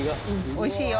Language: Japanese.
おいしいよ。